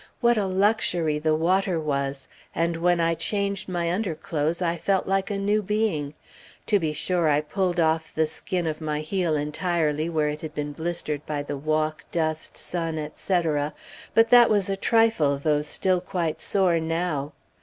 What a luxury the water was! and when I changed my underclothes I felt like a new being. To be sure I pulled off the skin of my heel entirely, where it had been blistered by the walk, dust, sun, etc., but that was a trifle, though still quite sore now.